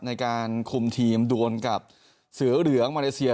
ในการคุมทีมดวนกับเสือเหลืองมาเลเซีย